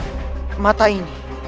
tidak akan terjadi yang terjadi sekarang